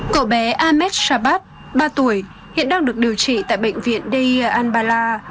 cậu bé ahmed shabat ba tuổi hiện đang được điều trị tại bệnh viện dae al bala